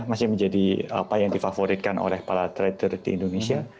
masih menjadi apa yang difavoritkan oleh para trader di indonesia